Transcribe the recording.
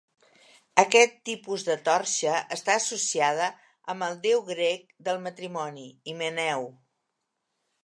Aquest tipus de torxa està associada amb el déu grec del matrimoni, Himeneu.